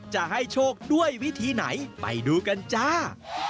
จะให้โชคด้วยวิธีไหนไปดูกันจ้า